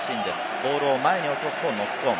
ボールを前に落とすとノックオン。